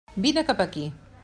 Vine cap aquí!